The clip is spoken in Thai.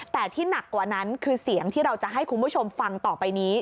แต่ที่หนักกว่านั้นคือเสียงที่เราจะให้คุณผู้ชมฟังต่อไปนี้